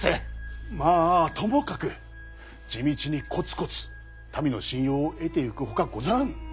まあともかく地道にコツコツ民の信用を得ていくほかござらぬ。